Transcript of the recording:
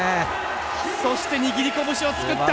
そして握り拳を作った！